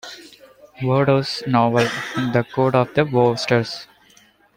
Wodehouse's novel "The Code of the Woosters".